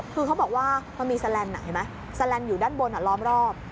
คือเขาบอกว่ามันมีสแลนด์ไหนเห็นไหมสแลนด์อยู่ด้านบนรอบ